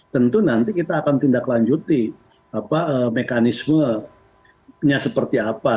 tentu nanti kita akan tindak lanjuti mekanismenya seperti apa